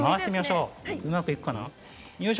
うまくいくかな？